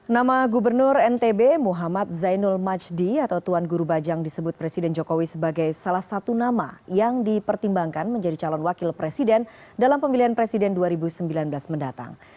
nama gubernur ntb muhammad zainul majdi atau tuan guru bajang disebut presiden jokowi sebagai salah satu nama yang dipertimbangkan menjadi calon wakil presiden dalam pemilihan presiden dua ribu sembilan belas mendatang